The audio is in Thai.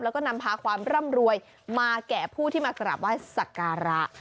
แล้วก็นำพาความร่ำรวยมาแก่ผู้ที่มากราบไหว้สักการะ